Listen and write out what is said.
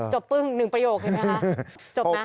จบปึ้ง๑ประโยคเห็นไหมคะ